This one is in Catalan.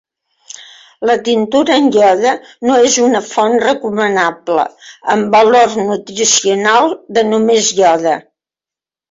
La tintura amb iode no és una font recomanable amb valor nutricional de només iode.